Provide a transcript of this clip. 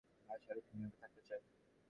আমি সারাজীবন এভাবে থাকতে চাই।